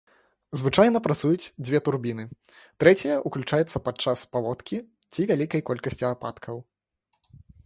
Звычайна працуюць дзве турбіны, трэцяя уключаецца падчас паводкі ці вялікай колькасці ападкаў.